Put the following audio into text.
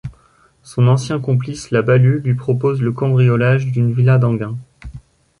Son ancien complice La Ballu lui propose le cambriolage d'une villa d'Enghien.